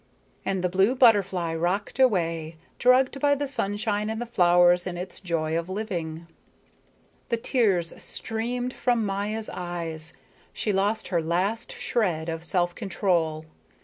And the blue butterfly rocked away, drugged by the sunshine and the flowers and its own joy of living. The tears streamed from Maya's eyes; she lost her last shred of self control.